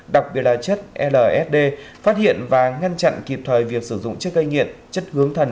đặc biệt là chất lsd phát hiện và ngăn chặn kịp thời việc sử dụng chất gây nghiện chất hướng thần